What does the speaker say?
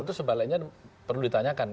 itu sebaliknya perlu ditanyakan